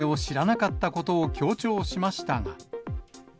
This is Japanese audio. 主催者の名前を知らなかったことを強調しましたが。